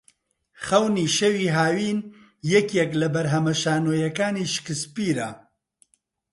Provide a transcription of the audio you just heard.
خەونی شەوی هاوین یەکێک لە بەرهەمە شانۆییەکانی شکسپیرە